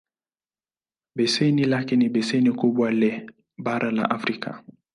Beseni lake ni beseni kubwa le bara la Afrika.